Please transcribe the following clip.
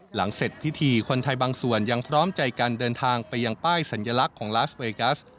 หลังเสร็จพิธีคนไทยบางส่วนยังพร้อมใจกันเดินทางไปยังป้ายสัญลักษณ์ของลาสเวกัส